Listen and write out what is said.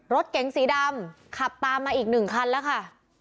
รถเก๋งสีดำขับตามมาอีกหนึ่งคันแล้วค่ะ